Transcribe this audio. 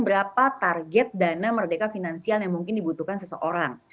berapa target dana merdeka finansial yang mungkin dibutuhkan seseorang